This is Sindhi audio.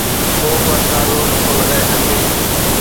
ڪو به اندازو نٿو لڳائي سگهي